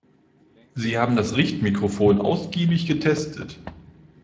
Sie haben das Richtmikrofon ausgiebig getestet.